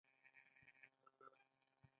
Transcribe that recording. موټر سره باید شفاف چلند وشي.